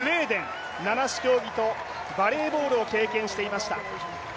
母はスウェーデン、七種競技とバレーボールを経験していました。